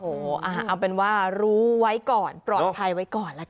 เอาเป็นว่ารู้ไว้ก่อนปลอดภัยไว้ก่อนละกัน